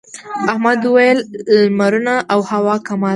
احمد وويل: لمرونه او هوا کمال دي.